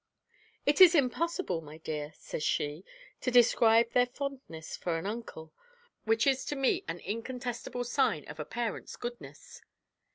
"It is impossible, my dear," says she, "to describe their fondness for their uncle, which is to me an incontestible sign of a parent's goodness."